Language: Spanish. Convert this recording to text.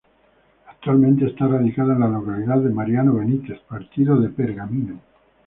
Actualmente está radicada en la localidad de Mariano Benítez, partido de Pergamino.